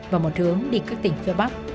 và một hướng đi các tỉnh phía bắc